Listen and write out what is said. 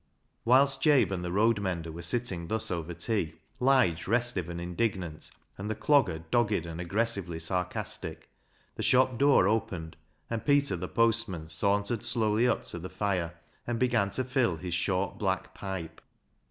Whilst Jabe and the road mender were sitting thus over tea, Lige restive and indignant, and the Clogger dogged and aggressively sarcastic, the shop door opened, and Peter the postman sauntered slowly up to the fire and began to fill his short black pipe.